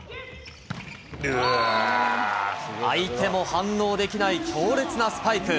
相手も反応できない強烈なスパイク。